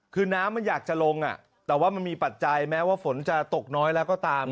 คือน้ำมันอยากจะลงแต่ว่ามันมีปัจจัยแม้ว่าฝนจะตกน้อยแล้วก็ตาม